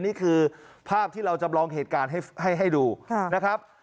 นี่คือภาพที่เราจำลองเหตุการณ์ให้ดูนะครับ